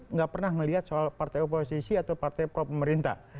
nggak pernah melihat soal partai oposisi atau partai pro pemerintah